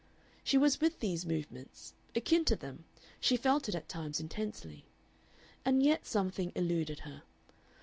She was with these movements akin to them, she felt it at times intensely and yet something eluded her.